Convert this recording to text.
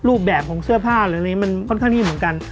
รูปแบบของเสื้อผ้าอะไรอย่างนี้มันค่อนข้างอิ่มเหมือนกัน